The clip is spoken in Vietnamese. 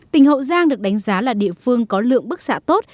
tỉnh hậu giang được đánh giá là địa phương có lượng bức xạ tốt